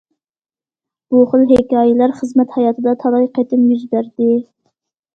بۇ خىل ھېكايىلەر خىزمەت ھاياتىدا تالاي قېتىم يۈز بەردى.